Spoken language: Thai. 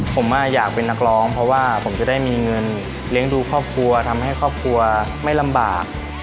ผมอยากเป็นนักร้องเพราะว่าผมจะได้มีเงินเลี้ยงดูครอบครัวทำให้ครอบครัวไม่ลำบาก